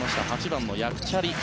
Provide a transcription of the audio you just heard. ８番のヤクチャリ。